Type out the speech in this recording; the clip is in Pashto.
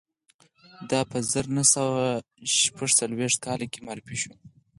دا په زر نه سوه شپږ څلویښت کال کې معرفي شو